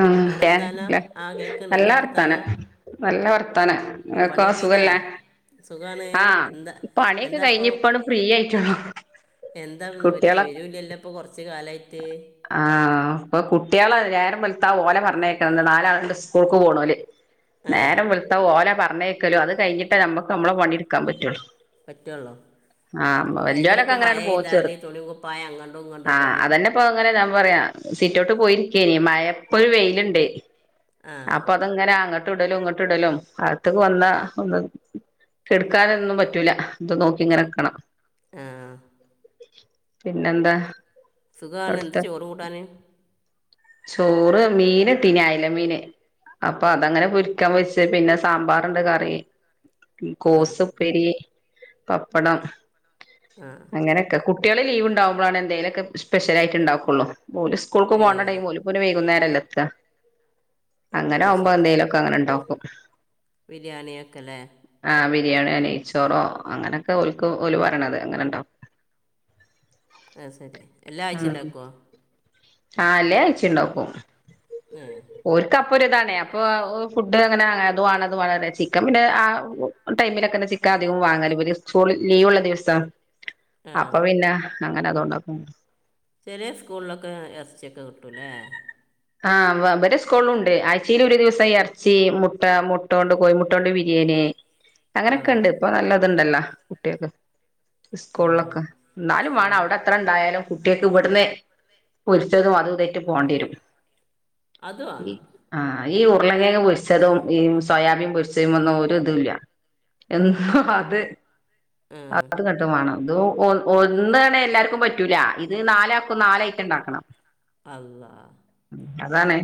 ഉം ഹലോ വർത്താനം [unintelligible] ആ കേൾക്കണ് നല്ല എന്താ വർത്താനം നല്ല വർത്താനം. ങ്ങക്കോ പണിയൊക്കെ കഴിഞ്ഞാ സുഖല്ലേ? സുഖാണ് ആഹ്, എന്താ പണിയൊക്കെ കയ്ഞ്ഞ് ഇപ്പണ്ട് ഫ്രീയായിട്ടൊള്ളൂ. എന്താദ്, ഒര് വിവരോല്ലല്ലോപ്പൊ കൊർച്ച് കാലായിട്ട്? ആഹ്, പ്പ കുട്ട്യാള് നേരം വെള്ത്താ ഓലെ പർഞ്ഞേക്കണംന്ന് നാലാള്ണ്ട് സ്കൂൾക്ക് പോണോല്. ആ നേരം വെള്ത്താ, ഓലെ പറഞ്ഞേക്കലു അത് കയ്ഞ്ഞിട്ടാ ഞമ്മക്കമ്മളെ പണിട്ക്കാൻ പറ്റൊള്ളു. പറ്റൊള്ളൂ അയ്ന്റെട്ക്ക്‌ അങ്ങനാണ്ട് പോവും ചെറ് മയെയ്താല്, തുണിം ആഹ് കുപ്പായങ്ങടുംങ്ങട്ടുടലും. [unintelligible] പറയാ സിറ്റൗട്ട് പോയിരിക്കെയ്നി മയ പ്പൊരു വെയില്ണ്ട് ആ അപ്പൊ- ങ്ങനെ, അങ്ങട്ട്ടലും ഇങ്ങട്ട്ടലും അഗത്ത്ക്ക് വന്നാ ഒന്ന്- കെട്ക്കാനൊന്നും പറ്റൂല. ത് നോക്കി ങ്ങനെക്കണം. ആഹ് പിന്നെന്താ സുഖ വാന്ന് എന്ത് അവിടുത്തെ ചോറും കൂട്ടാന് ചോറ് മീന്ട്ടീനി അയല മീന് അപ്പൊ അതങ്ങനെ പൊരിക്കാൻ വെച്ച് പിന്നെ സാമ്പാറ്ണ്ട് കറി ഈ ആ കോസ്പ്പേരി പപ്പടം ആ അങ്ങനെ ക്കെ കുട്ട്യേള് ലീവ്ണ്ടാവുമ്പളാണ് എന്തേലൊക്കെ സ്പെഷ്യലായിട്ട്ണ്ടാക്കൊള്ളൂ. ഓല് സ്കൂൾക്ക് ഏ പോണ ഓല് പ്പൊരു വൈകുന്നേരല്ലേ എത്ത അത് അങ്ങനാവുമ്പോ എന്തേലൊക്കെ അങ്ങനെണ്ടാക്കും. ബിരിയാണിയൊക്കെലെ ആഹ് ബിരിയാണിയോ നെയ്ച്ചോറോ അങ്ങനൊക്കെ ഓൽക്ക് ഓല് പറിണത് അങ്ങനെ ണ്ടാക്കും. അഹ് സരി എല്ലാ ഉം ആഴ്ച്ചിണ്ടാക്കോ? ആഹ് എല്ലാ ആയ്ച്ചിണ്ടാക്കും ഏഹ് ഓൽക്കപ്പൊര്താണ് അപ്പൊ ഫുഡ് അങ്ങനെ അതുവാണ ഇത് വാണ പറിയെ ചിക്കൻ പിന്നെ ആ ടൈമിലൊക്കെന്നെ ചിക്കൻ അധികം വാങ്ങല് ബല് സ്കൂൾ ലീവ്ള്ള ദിവസം. ആ അപ്പൊ പിന്ന അങ്ങനെ അതോണ്ടാക്കും ചെലേ സ്കൂൾലൊക്കെ എർച്ചിയൊക്കെ കിട്ടു ലേ ആഹ ബലെ സ്കൂളുംണ്ട് ആഴ്ച്ചീല് ഒരു ദിവസം എർച്ചി മുട്ട മുട്ടോണ്ട് കോഴിമുട്ടോ ണ്ട് ബിരിയാന്. ആ അങ്ങനൊക്കെണ്ട് ഇപ്പൊ നല്ലത്ണ്ടല്ലോ കുട്ട്യോൾക്ക് ആ ഇസ്കൂൾലൊക്കെ ന്നാലും വേണം ഉം. അവിട ത്ര ണ്ടായാലും കുട്ട്യേക്ക് വട്ന്ന് പൊരിച്ചതും അതും ഇതെറ്റ് പോണ്ടിയെരും. അത് വാണം ആഹ് ഈ ഉർളങ്ങേങ്ങ് പൊരിച്ചതും ഈ സോയാബീൻ പൊരിച്ചതീമ്ന്നും ഒരു തും ഇല്ല എന്നാ അത് ആ അത്ങ്ങട്ട് മാണം. ത് ഒ ഒന്നാണേ എല്ലാർക്കും പറ്റൂല ഇത് നാലാ ക്കും നാലയ്റ്റംണ്ടാക്കണം അള്ളാ ഉം അതാണ്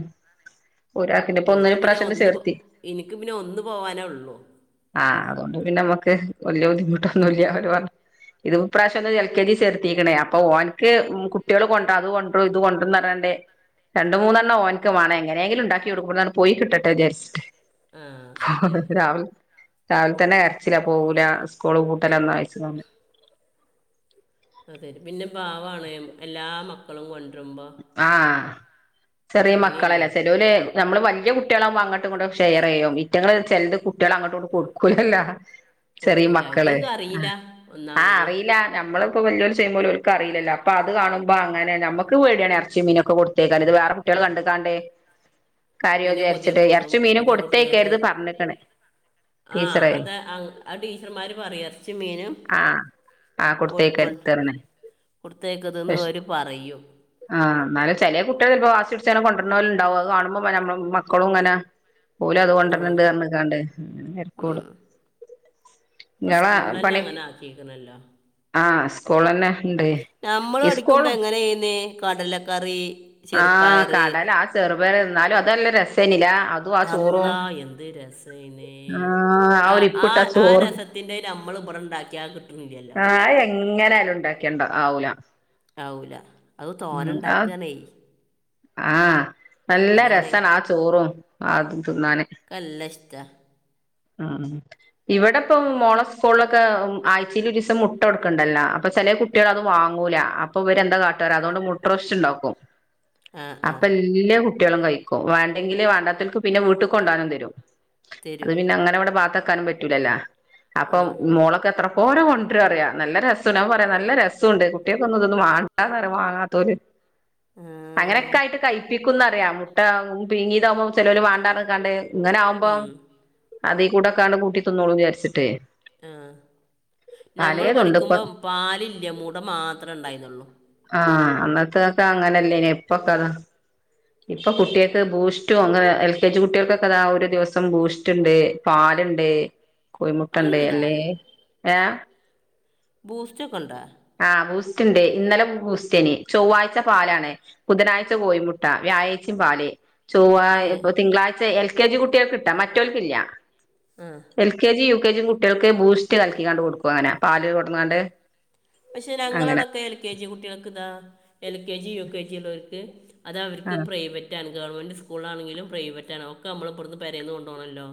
ഒരാക്ക്ന്നെ ഇൻക്ക് പിന്നെ ഒന്ന് പോ ഇൻക്ക് പിന്നെ ഒന്ന് പോവാനേ ഒള്ളു. ആഹ് അതോണ്ട് പിന്നെ അമ്മക്ക് വല്ല്യ ബുദ്ധിമുട്ടൊന്നുല്ല ഓല് പർ ഇത് ഇപ്രാശ്യൊന്ന് എൽ കെ ജി ചേർത്തീക്ക്ണെ അപ്പൊ ഓൻക്ക് ഉം കുട്ടിയള് കൊണ്ടാ അത് കൊണ്ട്രും ഇത് കൊണ്ട്രുന്ന് പർഞ്ഞാണ്ട് രണ്ട് മൂന്നെണ്ണം ഓൻക്ക് വാണെ എങ്ങനെങ്കിലും ഇണ്ടാക്കിയോടും ഇവ്ട്ന്നാണ്ട് പോയി കിട്ടട്ടെ വിചാരിച് ആ ശരിയാണ് ഇത് രാവിൽ രാവില് തന്നെ കരച്ചിലാ പോവൂല സ് കൂള് പൂട്ടെലെന്നാ ചോയിച്ച്ങ്ങാണ്ട് ആഹ് തരും പിന്നെ പാവാണേം എല്ലാ മക്കളും കൊണ്ടരുമ്പോ ആഹ് ചെറിയെ അങ്ങനെയുണ്ട് മക്കളല്ലേ ചെലോല് ഞമ്മള് വല്ല്യ കുട്ടിളാവുമ്പോ അങ്ങട്ടും ഇങ്ങട്ടും ഷെയറെയ്യും ഈറ്റങ്ങള് ചെലത് കുട്ടിയള് അങ്ങട്ടും ഇങ്ങോട്ടും കൊടുക്കൂലല്ലോ ചെറീ കൊടുക്കൂല മക്കള് ഇതെനിക്ക് അറിയില്ല ആഹ് ആഹ് ഒന്നാമത് അറീലാ ഞമ്മള്പ്പോ വെല്ല്യോല് ചെയ്യുമ്പോലെ ഓൽക്ക് അറില്ലല്ലോ അപ്പ അത് കാണുമ്പോ അങ്ങനെ ഞമ്മ ക്ക് പേടിയാണ് എർച്ചിം മീനൊക്കെ കൊടുത്തേക്കാന് ഇത് വേറെ കുട്ടിയള് കണ്ട്ക്കാണ്ടെ കരയോ പിന്നെ വിചാരിച്ചിട്ടെ കൊതിയപ്പെടും എറച്ചിം മീനും പിന്നെ കൊടുത്തേക്കര്ത് പറ്ഞ്ഞ്ക്ക്ണ് ആഹ് അത് ആഹ് അഹ് ടീച്ചർമാര് പറയും എർച്ചിം മീനും ആഹ് ആഹ് കൊടുത്തേക്കര്ത് പർഞ്ഞ്ണ് കൊടുത്തേക്കര്ത് എന്ന് അവര് പറയും ആഹ് ഇന്നാല് ചേലെ കുട്ട്യാള്പ്പൊ വാശി പിടിച്ചാലും കൊണ്ടര്നോല്ണ്ടാവും അത് കാണുമ്പം പിന്നെ ഞമ്മള മക്കളും ഇങ്ങനെ ഓല് അത് ഉം, കൊണ്ടര്ണണ്ട് പർഞ്ഞ്ക്കാണ്ടെ ഇങ്ങന്നെ തെരക്കൂടും ഇപ്പ ഇങ്ങളെ സ്കൂള്ളെന്നെ പണി അങ്ങനെ ആക്കീക്ക്ണല്ലോ ആഹ് ആഹ് സ്കൂളെന്നെ ഇണ്ട് സ്കൂള്ളെന്നെ ഞമ്മള് പഠിക്കുമ്പോ ഇസ്കൂളും എങ്ങനേന്നി കടലക്കറി ആഹ് ചെറുപ്പയറ് കടല ആഹ് ചെറുപയറ് ന്നാലും അത് നല്ലെ രസേനില്ലാ അല്ലാഹ് എന്ത് രസേനി ആഹ് ആ ഒരു ആ ഇപ്പിട്ട ആ ചോറ് രസ ത്തിന്റെ ഞമ്മള് ഇബടെ ഇണ്ടാക്കിയാ കി ആഹ് അഹ് എങ്ങനെ ആയാലും ഇണ്ടാക്കിയാ ഇണ്ടാ ആവൂല ആവൂല അഹ് തോനെ ഉം ആഹ് ഇണ്ടാക്കാന്നെ ആഹ് നല്ല രസാണ് ആ ചോറും ആ അതും തിന്നാന് ക്കല്ലഷ്ടാ ആഹ് ഇവെടെപ്പം മോള സ്കോള്ലൊക്കെ ഉം ആഴ്ച്ചീലൊരിസം മുട്ട കൊട്ക്ക്ണ്ടല്ലോ അപ്പൊ ചെലെ കു ട്ടിയളത് വാങ്ങൂല അപ്പൊ ഇവരെന്താ കാട്ടാറിയോ അതോണ്ട് മുട്ട റോസ്‌റ്റ്ണ്ടാക്കും ആ ആ അപ്പ എല്ലാ കുട്ടിയളും കഴിക്കും വേണ്ടെങ്കില് വേണ്ടാത്തോൽക്ക് പിന്നെ വീട്ട് കൊണ്ടോവാനും തരും തരൂ അത് പിന്നെ അങ്ങനെ ഇവടെ പാത്തക്കാനും പറ്റൂലല്ലോ അപ്പൊ ആ മോളൊക്കെ എത്ര [unintelligible] കൊണ്ടരാറിയാ നല്ല രസ്സുണ്ട് പറിയാ നല്ല രസ്സുണ്ട് കുട്ട്യക്കൊന്ന് ഇതൊന്നന്ന് വാണ്ടാന്നറിയാ വാങ്ങാത്തോല് ആ അങ്ങനെക്കായിട്ട് കഴിപ്പിക്കുന്നറിയാ മുട്ട പിങ്ങീതാവുമ്പം ചെലോല് വണ്ടാർഞ്ഞ്ക്കാണ്ട് ഇങ്ങനെ ആവുമ്പോ ഉം, അതീക്കൂടെക്കാണ്ട് കൂട്ടി തിന്നോളും വിചാര്ച്ചിട്ടെ ആഹ് ഞമ്മള് ഇപ്പൊ പഠിക്കുമ്പം പാലില്ല മുട മാത്രം ഇണ്ടായിരുന്നൊള്ളു ആഹ് അന്നത്തൊക്കെ അങ്ങനെല്ലേനിയോ ഇപ്പൊക്കെ അതാ ഇപ്പം കുട്ടിയൾക്ക് ബൂസ്റ്റും അങ്ങനെ എൽ കെ ജി കുട്ടിയൾക്കൊക്കെ അതാ ഒരു ദിവസം ബൂസ്റ്റ്ണ്ട് പാല്ണ്ട് അങ്ങനെ കോഴിമുട്ടണ്ട് ഉണ്ടാ അല്ലേ ഏഹ് ബൂസ്റ്റൊക്കെണ്ടോ ആഹ് ബൂസ്റ്റ്ണ്ട് ഇന്നലെ ബു ബൂസ്റ്റേനി ചൊവ്വാഴ്ച പാലാണ് ബുധനാഴ്ച കോഴി മുട്ട വ്യാഴേഴ്ച്ചിം പാല് ഏ ചൊവ്വാഴ് ഇപ്പോ തിങ്കളാഴ്ച എൽ കെ ജി കുട്ടിയൾക്ക്ട്ടോ മറ്റോല്ക്കില്ലാ ആഹ് L K G U K ജിം കുട്ടിയൾക്ക് ബൂസ്റ്റ് കലക്കിങ്ങാണ്ട് കൊടുക്കും അങ്ങനെ പാല് കൊടന്നാണ്ട് പക്ഷേ ഞങ്ങളെ അങ്ങനെ അവടൊക്കെ എൽ കെ ജി കുട്ടിയൾക്ക്താ L K G U K ജിയ്ള്ളോല്ക്ക് അത അവർക്ക് ആഹ് പ്രൈവറ്റ ആണ് ഗവൺമെന്റ് സ്കൂളാണെങ്കിലും പ്രൈവറ്റ ആണ് ഒക്കെ നമ്മള പരിന്ന് കൊണ്ടു പോണമല്ലോ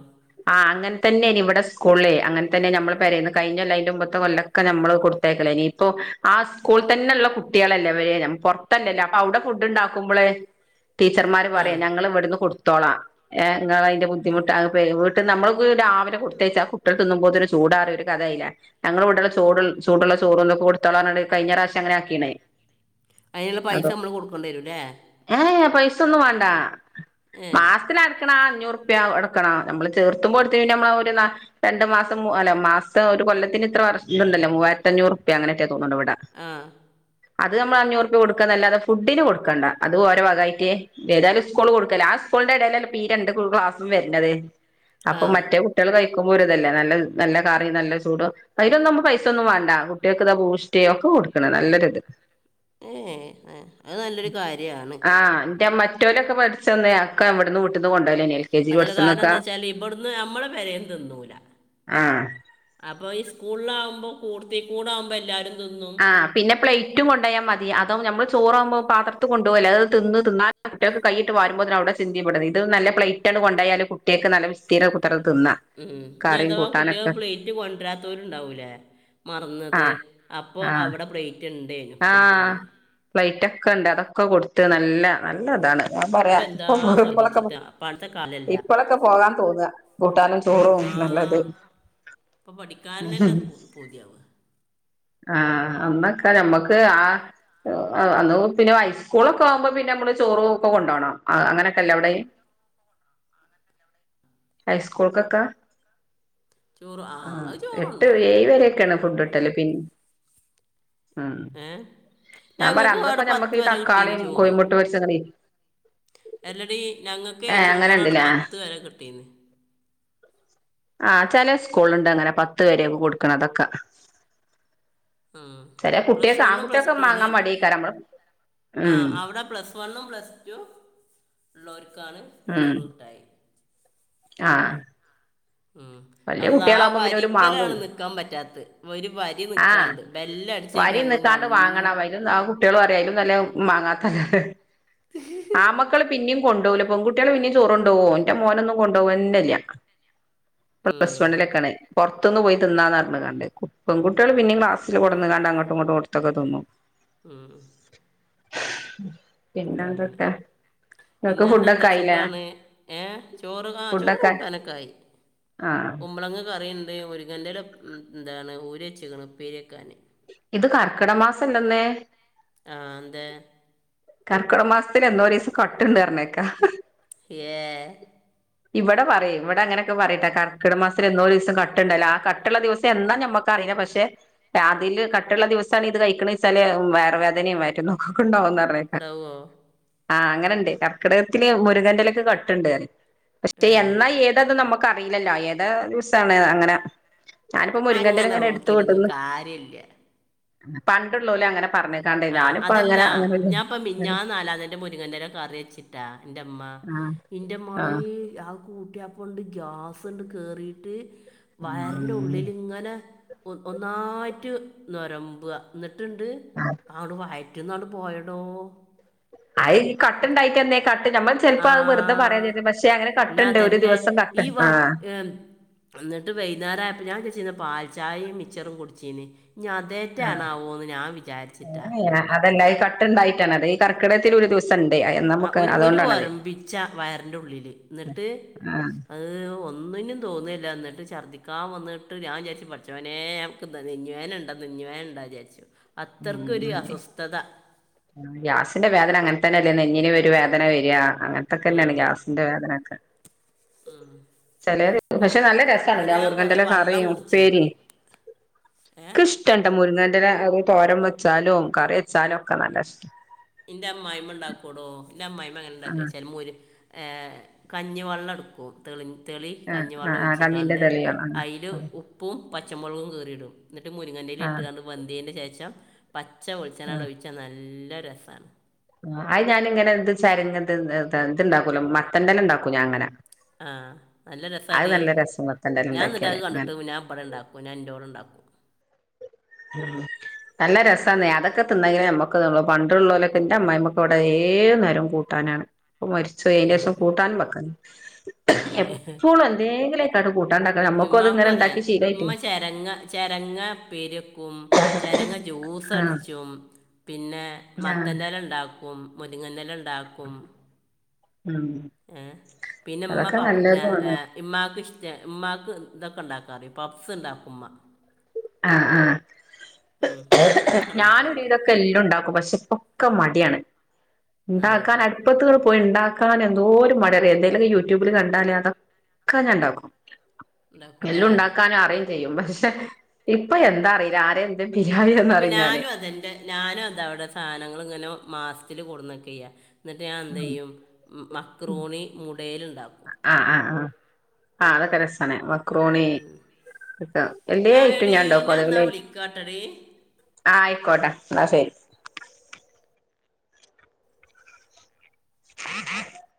ആഹ് അങ്ങനെതന്നെയനി ഇവിടെ സ്കൂളിൽ അങ്ങനെ തന്നെ നമ്മള്ൾ പറയുന്ന കഴിഞ്ഞകൊല്ലല്ല അന്റെ മുമ്പത്തെ കൊല്ലം ഒക്കെ നമ്മള് കൊടുത്തേക്കല ഇനി ഇപ്പോആ സ്കൂളിൽ തന്നെുള്ള കുട്ടിളെല്ലവരെ പുറ - തന്നെയല്ലേ അപ്പൊ അവിടെ ഫുഡ് ഉണ്ടാക്കുമ്പോളെ ടീച്ചർമാർ ആ പറയാ ഞങ്ങൾ ഇവിടുന്ന് കൊടുത്തോളാ നിങ്ങൾ അതിന്റെ ബുദ്ധിമുട്ട് നമ്മള് രാവിലെ കൊടുത്തയച്ച കുട്ടികൾ തിന്നുമ്പോത്തിന് ചൂടാറി ഒരു കഥയില്ലേ ഞങ്ങൾ വിടെടുള്ള ചോട് ചൂടുള്ള ചോറക്ക കൊടുതോള കഴിഞ്ഞ പ്രാവശ്യം അങ്ങന ആക്കീണേ അതിനുള്ള പൈസ അതോ നമ്മള് കൊടുക്കേണ്ടിരൂല്ലേ ഏഹ് പൈസൊ ഒന്നും വേണ്ട ഏ മാസത്തിന അടുക്കണ അഞ്ഞൂറ്പ്യ എടുക്കണ നമ്മള് തീരത്തും കൊടുത്തു കഴിഞ്ഞ നമ്മള ഒരു [unintelligible] രണ്ടു മാസം അല്ല മാസം ഒരു കൊല്ലത്തിന് ഇത്ര വർഷം ഉണ്ടല്ലോ മൂവായിരത്ത അഞ്ഞൂറ് അങ്ങനെക്കെയിട്ടേക്കുവ തോന്നവിട ആ അത് നമ്മൾ അഞ്ഞൂറപ കൊടുക്കല്ലാെ ഫുഡിന് കൊടുക്കണ്ട അത് ഓരോ വകമായിട്ടേ ഏതാലും സ്കൂള് കൊടുക്കലേ ആ സ്കൂളിന്റെ ഇടയിലല്ല ഇപ്പ ഈ രണ്ട് ക്ലാസ്സും വരണുന്നത് ആ അപ്പൊ മറ്റേ കുട്ടികൾ കഴിക്കുമ്പോ ഒരു ഇതല്ലേ നല്ല നല്ല കാറി നല്ല ചൂട് അതിലൊന്നും നമ്മ പൈസ ഒന്നും വേണ്ട കുട്ടികൾക്ക് ഇതാ ബൂസ്റ്റ് ഒക്കെ കൊടുക്കണ നല്ലൊ ഇത് ഏഹ് ആഹ് അത് നല്ലൊരു കാര്യണ് ആഹ് എന്ത മ റ്റോലൊക്കെ പഠിച്ച തന്നേക്ക അവിടുന്ന് വിട്ടന്ന് കൊണ്ടോല്ലേന്ന് അതില് കാരണം എന്താ വെച്ചാല് ഇവിടന്ന് നമ്മളെ പരന്ന് തിന്നൂല ആഹ് അപ്പൊ ഈ സ്കൂളിലാവകുമ്പോ കൂർത്തി കൂട ആവുമ്പോ എല്ലാരും തിന്നും ആ പിന്നെ പ്ലേറ്റും കൊണ്ട പോയാൽ മതി അതോ നമ്മൾ ചോറാവുമ്പോ പാത്രത്തിൽ കൊണ്ടു പോകല്ലേ അത് തിന്നു തിന്ന കുട്ടികൾക്ക് കയിട്ട് വരുമ്പോന്ന അവിടെ ചിന്തിപ്പെടുന്നത് ഇത് നല്ല പ്ലേറ്റ് ആണ് കൊണ്ടായാലും കുട്ടികൾക്ക് നല്ല വിസര കുത്തി രുന്ന ത് തിന്ന ഉം ഇനി അഥവാ കുട്ടിക പ്ലേറ്റ് കൊണ്ടുവരാത്തവരു ഇണ്ടാവൂലേ മറന്നത് ആഹ് അപ്പോഅവ്ടെ പ്ലെറ്റ്ണ്ട്. ആഹ പ്ലൈറ്റക്കണ്ട് അതൊക്കെ കൊടുത്ത് നല്ല നല്ലതാണ് ഞാപറയാ എന്താ ഇപ്പ ശ്രദ്ധിച്ചിട്ടാ പണ്ടത്തെ കാലല്ല ഇപ്പളക്കെ പോകാൻ തോന്നാ കൂട്ടാനും ചോറും നല്ലത്. ഇപ്പ പഠിക്കാൻ തന്നെത് പൂതിയാവാ ആഹ അന്നക്കെ ഞമ്മക്ക് ആഹ് അന്ന് പിന്നെ ഹൈസ്കൂളൊക്കാവുമ്പ പിന്നമ്മള് ചോറൊക്കെ കൊണ്ടോണം അങ്ങനക്കല്ലവ്ടെ ഹൈസ്കൂൾക്കക്കെ ചോറ് ആ അത് ചോറ് എട്ട് കൊണ്ടോണം ഏയിവരക്കാണ് ഫുഡ് ട്ടല് പിന്നെ ഉം ഏ ഞാപറയ ഞങ്ങൾക്ക് അന്ന്പ്പ അവിടെ പത്ത് ഞമ്മക്ക് ഈ വരെ കിട്ടീന്ന് തക്കാളീം കോയ് മുട്ടരിചതീം അല്ലടീ ഞങ്ങക്കെ ചോറടെ ഉണ്ടല്ലേ പത്ത് വരെ കിട്ടീന്ന് ആ ചെലേ സ്കൂള്ല്ണ്ട് അങ്ങനെ പത്ത് വരെയെക്കെ കൊടുക്ണതൊക്കെ ആഹ് പ്ലസ് കുട്ടികൾക്ക് വണ്ണും പ്ലസ് ആൺകുട്ടികൾക്ക് ടു ആണ് മാങ്ങാൻ മടിയേക്കാരം നമ്മള് ആ ഉം ഹ് അവിടെ പ്ലസ് പ്ലസ്സ് വണ്ണും പ്ലസ് ടു ഉല്ലോർക്കാണ് ഉം ചോറ് കിട്ടായി ആഹ് ഉം വല്യ അള്ളാ ആ കുട്ടികളാകുമ്പോ പിന്നെ ഓര് വരിക്കലാണ് മാങ്ങൂല നിക്കാ പറ്റാത്തത് ഒരു വരി നിക്കാണ്ട് ബെല്ലടിച്ച വരിന്ന്ക്കാണ്ട് വാങ്ങണം ത്ന്നാ ആ കുട്ട്യാള് പറയുംഅയ്‌ലും നല്ലത് മാങ്ങാതാല്ലത് ആമ്മ മക്കള് പിന്നേം കൊണ്ടൊവ് ല പെൺകുട്ട്യാള് പിന്നേം ചോറ് കൊണ്ടോവും ന്റെ മോനൊന്നും കൊണ്ടോവെന്നല്ല്യാ പ്ലസ് ഉം, വണ്ണിലൊക്കേണ് പൊറത്ത് ന്ന് പോയി തിന്നാന്നറ്ഞ് കാണ്ട് പെങ്കുട്ട്യാള് പിന്നേം ക്‌ളാസില് കൊട്ന്ന്ക്കാണ്ട് അങ്ങട്ട്ങ്ങട്ട്ട്തൊക്കെ തിന്നും മം പിന്നെന്തുട്ട ഇന്നതെന്താ സുഖാണ് ഏഹ ചോറ് ആ ഫുഡൊക്കെ ചോറുംകൂട്ടാനൊക്കായി ആഹ്. കുമ്പളങ്ങകറിണ്ട് മുരിങ്ങന്റെല ന്താണ് ഓര്യേച്ച്ക്ക്ണ് ഉപ്പേര്യേക്കാന് ഇത് കർക്കിടമാസല്ലെന്ന് ആഹ് ന്തേ കർക്കിടമാസത്തില് എന്തോരെയ്സ് കട്ട്ണ്ടറഞ്ഞെക്കാ ഏഹ് ഇവിടപറയും ഇവിടങ്ങനൊക്കെ പറയിട്ടാ കർക്കിട മാസത്തിലെന്നൊരിസം കട്ട്ണ്ടൊലാ ആ കട്ട്ള്ള ദിവസം എന്നാ ഞമ്മക്ക് ക്കറിയില പക്ഷെ അതില്കട്ട്ള്ള ദിവസാണ് ഇത് കഴിക്കിണീചാല് വയറ് വേദനേം വയറ്റ്ന്നോക്കൊക്കെണ്ടാവുംന്ന ന്ന പറഞ്ക്കാ ഉണ്ടാവോ ആഹ് അങ്ങനണ്ട് കർക്കിടകത്തില് മുര്ങ്ങന്റെലക് കട്ട്ണ്ടറയും ക്ഷെ ഏ എന്നാഏതത് നമ്മക്കറിയിലല്ലോ ഏത ദിവസാണ് അങ്ങനെ ഞാന്പ്പ അങ്ങനെ മുരിങ്ങന്റെലങ്ങനെ നോക്കിയിട്ടൊന്നും ഇട്ത്ത്കൊണ്ടന്ന് കാര്യമില്ല പണ്ട്ള്ളോല് അങ്ങനെ പറഞ കേ ആഹ് അതല്ല ഞാപ്പ മിഞ്ഞാന്ന് നാലാന്നേ ന്റെമുരിങ്ങന്റെല കറിയെച്ച്ട്ടാ ന്റെമ്മ ആഹ് ഇന്റെമ്മളെ ആഹ് അ കൂട്ട്യാപ്പ കൊണ്ട് ഗ്യാസ്ങ്ങട് കേറിട്ട് വയർ ന്റെ ഉം ഉള്ളില്ങ്ങനെ ഒന്നായിറ്റ് നൊരമ്പ ന്ന്ട്ട്ണ്ട് ആഹ് നങ്ങട് വയറ്റ്ന്നങ്ങട് പോയടോ അയിഈ കട്ട്ണ്ടായിറ്റെന്തെങ്കെ കട്ട്ഞമ്മള് ആ ചെലപ്പ അ വെറ്ത പറയാംന്നീന്ന് പക്ഷെ അങ്ങനെ കട്ട്ണ്ട് ഒര് ദിവസം കട്ട് ഇ വ ആഹ് എം അന്നിട്ട് വൈന്നേരയപ്പോ ഞാചാരിച്ചീന്ന് പാൽച്ചായെം മിച്ചറും കുടിച്ചീന്ന് ഇഞതേ റ്റാണാവോന്ന് ഞാ വിചാരിച് ഏ ഏ അതല്ല ഈ കട്ട്ണ്ടായിട്ടാണത് ഈ കർക്കിടകത്തിലൊരു ദിവസംണ്ട് ആ ഒരു ഒരു ഒരമ്പിച്ചാ വയറിന്റുള്ളില് എന്നിട്ട് ആഹ് ഏയ് ഒന്നിനും തോന്നില്ല ന്നിട്ട് ഛർദ്ദിക്കാൻ വന്നിട്ട് ഞാൻ വിചാരിച്ചു പടച്ചോനേ നെഞ്ചുവേനുണ്ടെന്ന്നെഞ്ചുവേനുണ്ട്ന്നു വിചാരിച്ചു അത്രർക്കൊരു ഉം അസ്വസ്ഥത ഗ്യാസിന്റെ വേദന അങ്ങന തന്നെ അല്ലേ നെഞ്ഞിന് ഒരു വേദന വരിക അങ്ങനത്തൊക്കെ തന്നെയാണ് ഗ്യാസിന്റെ വേദനൊക്കെ ഇം ചേലോറ് പക്ഷെ നല്ല രസണല്ലാ ആ കുറേ മുരിങ്ങൻറെലൻ്റെ വെള്ളം കറിയും കുടിച്ചു ഉപേരിയും നോക്കും ഏ ഇക്കിഷ്ട ഇഷ്ടട്ട മുരുങ്ങന്റെ എല അത് തോരം വെച്ചാലും കറി വെച്ചാലും ഒക്കെ നല്ല ഇഷ്ട എന്റെ അമ്മായ്മ്മ ഉണ്ടാക്കൂടോ എന്റെ അമ്മായിമ്മ എങ്ങനെ ഉണ്ടാക്ക ആഹ് ചാല് മോര് ഏ കഞ്ഞി വെള്ളം എടുക്കും തെളി തെളി ആഹ് കഞ്ഞിവെള്ളം ആഹ് കണ്ണിന്റെ ഒഴിച്ചിക്കാണ്ട് തെളിയാണ് അയില് ആഹ് ഉപ്പും പച്ചമുളകും കീറിയിടും ന്നിട്ട് മുരിങ്ങൻ്റെലിം ആഹ് ഇട്ട്കാണ്ട് വന്തിന്റെ ശേഷം പച്ച വെളിച്ചെണ്ണ ആഹ് ഒഴിച്ചാ നല്ല രസമാണ് അത് ഞാനിങ്ങെന്തരി ഇത്ണ്ടാക്കലോ മത്തൻൻ്റെലണ്ടാക്കും ഞാ അങ്ങനെ ആഹ് നല്ല അത് രസടി നല്ല രസം മത്തന്റെല ഞാൻ എന്നിട്ടാക ഉണ്ടാക്കിയാല് അങ്ങനെ കണ്ടിട്ട് ഞാൻ വിടെ ഉണ്ടാക്കൂ ഞാൻ ന്റെറടെ ഉണ്ടാക്കൂ ഉം നല്ല രസം നെയ അതൊക്കെ തിന്നെങ്കിലേ നമുക്ക് ത്ള്ളു പണ്ടുള്ളൊലു എന്റെ അമ്മമായി അമ്മക്കെ അവിടെ ഏ നേരം കൂട്ടാനാണ് പ്പ മരിച് പോയി. അയിന്റെ ആ ശേഷം കൂട്ടാൻ വെക്കണം ഏ പ്പോളും എന്തെങ്കിലൊക്കെ ആണ്ട് കൂട്ടാണ്ടാക്കാ ഞമ്മക്കും അത്ങ്ങനെ ഇണ്ടാക്കി ശീലായിറ്റേ രങ്ങ ചെരങ്ങ ഉപ്പേരി വെക് ക്കും ചെരങ്ങ ജ്യൂസ് ആഹ് അടിച്ചും പിന്നെ ആഹ് മത്തൻ്റെല ഇണ്ടാക് ക്കും മുരിങ്ങൻ്റെല ഇണ്ടാക്കും ഉം ഏഹ് പിന്നെ ഉമ്മ അതൊക്കെ [unintelligible] നല്ലതുമാണ് ഏഹ് ഇമ്മാക്ക് ഇഷ്ട്ടാ ഇമ്മാക്ക് ഇതൊക്കെ ഇണ്ടാക്കാ അറിയും പപ്സ് ഇണ്ടാക്കും ഇമ്മാ ആഹ് ആഹ് ഉം. അങ്ങനൊക്കെ ഉണ്ടാക്കും ഉമ്മ [unintelligible] ക്കെ എല്ലോം ഇണ്ടാക്കും പക്ഷെ ഇപ്പൊക്കെ മടിയാണ് ആ ഇണ്ടാക്കാനാരും [unintelligible] പോയി ഇണ്ടാക്കാൻ എന്തോര് മടിയാറിയോ എന്തേലൊക്കെ യൂട്യൂബില് കണ്ടാല് അതൊക് ക്കെ ഞാൻ ഇണ്ടാക്കും ഉണ്ടാക്കൂലേ എല്ലോം ഇണ്ടാക്കാൻ അറിയും ചെയ്യും പക്ഷെ ഇപ്പൊ എന്താ അറിയില്ലാ ആരെ എന്തെ [unintelligible] ഇപ്പം പറയും ഞാന് ഞാനും അതെൻ്റെ ഞാനും അതാ ഇവിടെ സാധനങ്ങള് ഇങ്ങനെ മാസത്തില് കൊടുന്നെക്കാ ചെയ്യാ എന്നിട്ട് ഞാൻ എന്തെയ്യും മ് മക്രോണി മുടെല് ഇണ്ടാക്കും ആഹ് ആഹ് ആഹ് ആഹ് അതൊക്കെ രസാണ് നമ ക്രോണി എല്ലെ ഞാൻ അയ്‌റ്റം എടീ ഞാൻണ്ടാക്കും ഞാൻ എന്നാ അതേപോലെ വിളിക്കാട്ടടി ആഹ് ആയിക്കോട്ടെ ഇന്നാ ശരി [unintelligible]